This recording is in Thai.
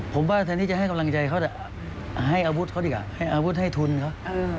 ผมว่าแทนที่จะให้กำลังใจเขาจะให้อาวุธเขาดีกว่าให้อาวุธให้ทุนเขา